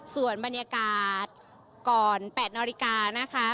ส่วนบรรยากาศก่อน๘นนะคะ